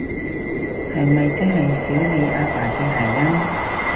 係咪即係少理阿爸嘅諧音？